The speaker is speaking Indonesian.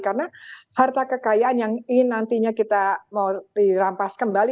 karena harta kekayaan yang ingin nantinya kita mau dirampas kembali